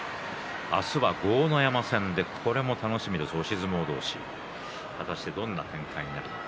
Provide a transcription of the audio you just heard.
明日は豪ノ山戦でこれも楽しみです、押し相撲同士果たしてどんな展開になるか。